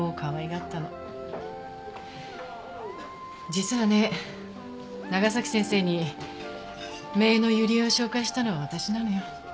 実はね長崎先生に姪の友里恵を紹介したのは私なのよ。